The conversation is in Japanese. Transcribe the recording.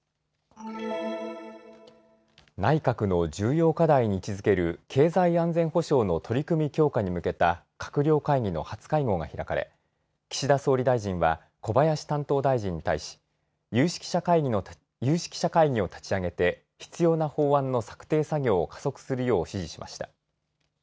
内閣の重要課題に位置づける経済安全保障の取り組み強化に向けた閣僚会議の初会合が開かれ岸田総理大臣は小林担当大臣に対し有識者会議を立ち上げて必要な法案の策定作業を加速するよう指示しました。